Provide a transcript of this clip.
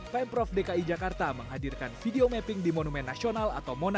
pemprov dki jakarta menghadirkan video mapping di monumen nasional